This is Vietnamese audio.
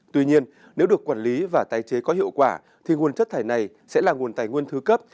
tuy nhiên nếu được quản lý và tái chế có hiệu quả thì nguồn chất thải này sẽ là nguồn tài nguyên thứ cấp